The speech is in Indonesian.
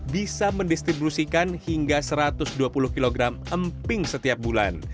bisa mendistribusikan hingga satu ratus dua puluh kg emping setiap bulan